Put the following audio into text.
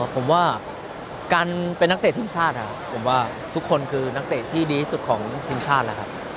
ผมว่าการเป็นนักเตะทีมชาติผมว่าทุกคนคือนักเตะที่ดีที่สุดของทีมชาติ